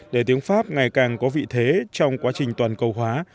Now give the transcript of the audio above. để tiếng pháp ngày càng có vị thế trong quá trình toàn cầu hóa